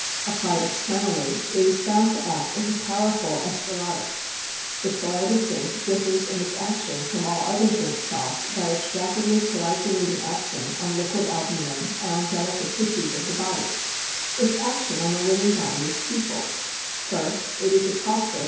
Applied externally, it is found to act as a powerful escharotic. The chloride of zinc differs in its action from all other zinc salts by its rapidly coagulating action on liquid albumen and on delicate tissues of the body* Its action on the living body is twofold : (1st) It is a caustic 64 POISONIKG BY CANNED GOODS.